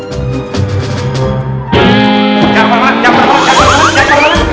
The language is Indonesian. jangan lupa jangan lupa jangan lupa jangan lupa jangan lupa jangan lupa